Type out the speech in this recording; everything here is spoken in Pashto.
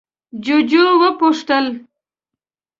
جُوجُو وپوښتل: